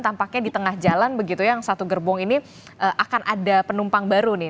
tampaknya di tengah jalan begitu yang satu gerbong ini akan ada penumpang baru nih